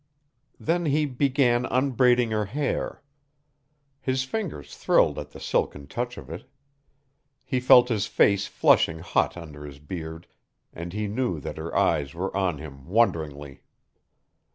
Then he began unbraiding her hair. His fingers thrilled at the silken touch of it. He felt his face flushing hot under his beard, and he knew that her eyes were on him wonderingly.